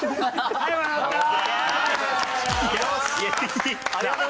ありがとうございます。